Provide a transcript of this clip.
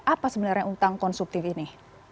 apa sebenarnya utang konsumtif ini